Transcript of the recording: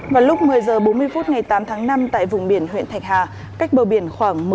vào lúc một mươi h bốn mươi phút ngày tám tháng năm tại vùng biển huyện thạch hà